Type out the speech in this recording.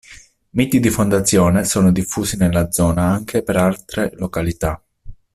Miti di fondazione sono diffusi nella zona anche per altre località.